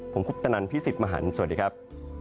ผมคุปตนันพี่สิทธิ์มหันฯสวัสดีครับ